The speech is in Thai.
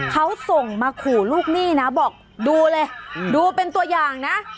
เขาส่งมาขู่ลูกหนี้นะบอกดูเลยดูเป็นตัวอย่างนะ